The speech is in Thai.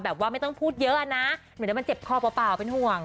ไม่ต้องพูดเยอะนะเหมือนมันเจ็บคอเปล่าเป็นห่วง